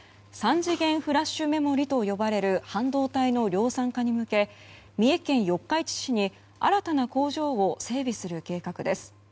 ３次元フラッシュメモリと呼ばれる半導体の量産化に向け三重県四日市市に新たな工場を整備する計画です。